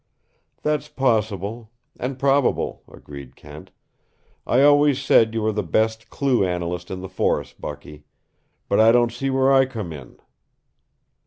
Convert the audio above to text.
"That's possible, and probable," agreed Kent. "I always said you were the best clue analyst in the force, Bucky. But I don't see where I come in."